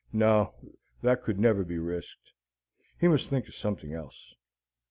No, that could never be risked. He must think of something else.